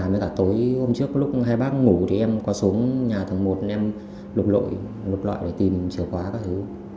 nên cả tối hôm trước lúc hai bác ngủ thì em qua xuống nhà thằng một em lục lội lục lọi để tìm chìa khóa các thứ